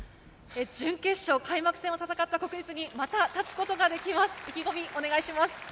準決勝、開幕戦を戦った国立にまた立つことができます。